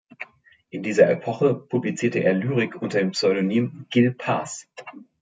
In dieser Epoche publizierte er Lyrik unter dem Pseudonym Gil Paz.